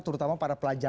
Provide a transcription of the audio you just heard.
terutama para pelajar